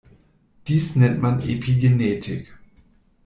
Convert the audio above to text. Dies nennt man Epigenetik.